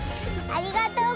ありがとう！